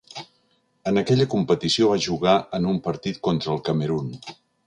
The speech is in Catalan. En aquella competició va jugar en un partit contra el Camerun.